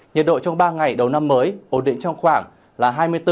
nhiệt độ trong ba ngày đầu năm mới ổn định trong khoảng là hai mươi bốn